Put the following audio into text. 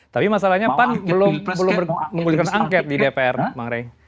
tapi masalahnya pan belum mengulirkan angket di dpr bang rey